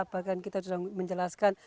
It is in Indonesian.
bahkan kita sudah menjelaskan